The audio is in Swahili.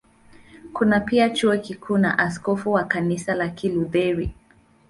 Kuna pia Chuo Kikuu na askofu wa Kanisa la Kilutheri.